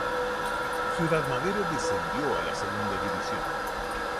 Ciudad Madero descendió a la Segunda División.